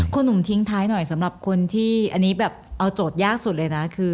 คุณหนุ่มทิ้งท้ายหน่อยสำหรับคนที่อันนี้แบบเอาโจทย์ยากสุดเลยนะคือ